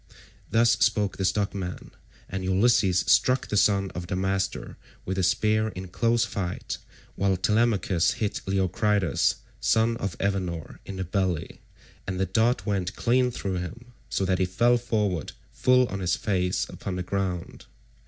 Thus spoke the stockman, and Ulysses struck the son of Damastor with a spear in close fight, while Telemachus hit Leocritus son of Evenor in the belly, and the dart went clean through him, so that he fell forward full on his face upon the ground.